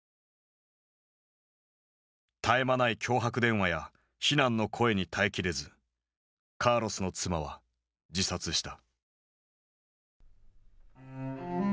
絶え間ない脅迫電話や非難の声に耐え切れずカーロスの妻は自殺した。